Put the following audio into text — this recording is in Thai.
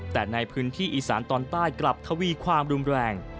แต่ในพื้นที่อีสานตอนใต้กลับทวีความรุนแรง